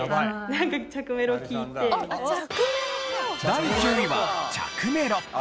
第９位は着メロ。